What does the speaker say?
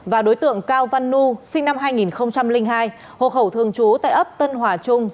và đối tượng cao văn nu sinh năm hai nghìn hai hộ khẩu thường trú tại ấp tân hòa trung